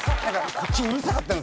こっちうるさかったんですよね。